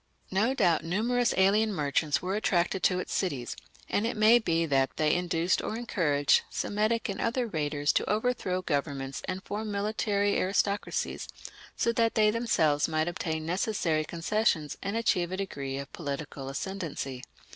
No doubt numerous alien merchants were attracted to its cities, and it may be that they induced or encouraged Semitic and other raiders to overthrow governments and form military aristocracies, so that they themselves might obtain necessary concessions and achieve a degree of political ascendancy.